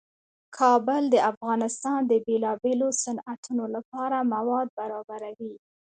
کابل د افغانستان د بیلابیلو صنعتونو لپاره مواد برابروي.